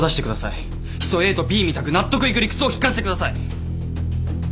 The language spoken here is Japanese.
ヒ素ＡとＢみたく納得いく理屈を聞かせてください。